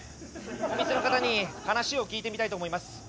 お店の方に話を聞いてみたいと思います。